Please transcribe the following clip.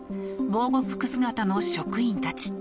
防護服姿の職員たち。